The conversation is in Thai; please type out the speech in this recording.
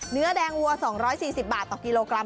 เนื้อแดงวัว๒๔๐บาทต่อกิโลกรัม